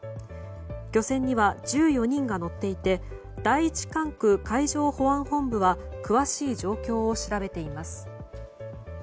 漁船には１４人が乗っていて第１管区海上保安本部は詳しい状況を調べています。